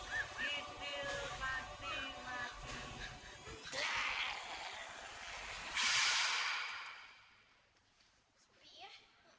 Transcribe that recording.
jalan kung jalan se di sini ada pesta besar besaran